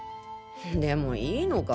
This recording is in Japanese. でもいいのか？